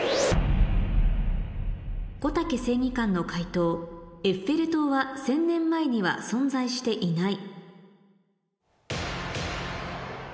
こたけ正義感の解答「エッフェル塔は１０００年前には存在していない」